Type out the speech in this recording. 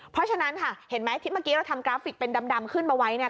เพราะฉะนั้นค่ะเห็นไหมที่เมื่อกี้เราทำกราฟิกเป็นดำขึ้นมาไว้เนี่ย